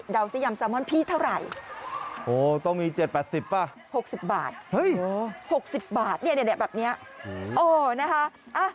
ดาวซิยำซามอนพี่เท่าไหร่โหต้องมี๗๘๐บาทป่ะ๖๐บาทเนี่ยแบบนี้โอ้นะคะ